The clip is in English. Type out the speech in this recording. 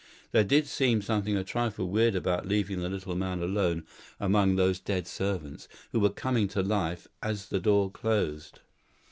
There did seem something a trifle weird about leaving the little man alone among those dead servants, who were coming to life as the door closed.